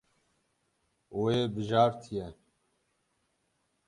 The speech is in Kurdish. Wê bijartiye.